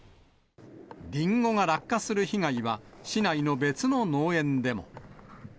リンゴが落下する被害は、市内の別の農園でも。